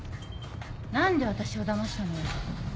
何で私を騙したのよ。